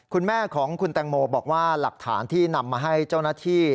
คุณแม่ของคุณแตงโมบอกว่าหลักฐานที่นำมาให้เจ้าหน้าที่